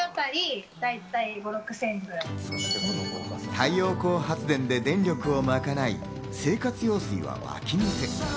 太陽光発電で電力を賄い、生活用水は湧き水。